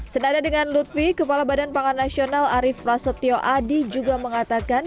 senada dengan lutfi kepala badan pangan nasional arief prasetyo adi juga mengatakan